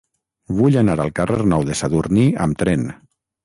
Vull anar al carrer Nou de Sadurní amb tren.